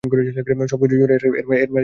সবকিছু জুড়েই এটা, এর মাঝেই থাকো তুমি।